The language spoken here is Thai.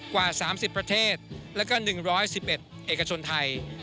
กว่า๓๐ประเทศแล้วก็๑๑๑เอกชนไทย